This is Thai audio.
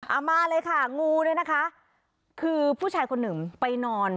เอามาเลยค่ะงูเนี่ยนะคะคือผู้ชายคนหนึ่งไปนอน